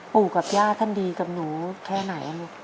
ปู่กับย่าท่านดีกับหนูแค่ไหนลูก